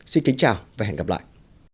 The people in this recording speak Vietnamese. xin kính chào và hẹn gặp lại